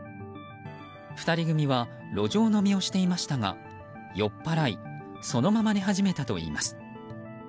２人組は路上飲みをしていましたが酔っ払いそのまま寝始めたといいます。